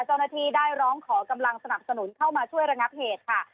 เจ้าหน้าที่ได้ร้องขอกำลังสนับสนุนเข้ามาช่วยระงับเหตุค่ะ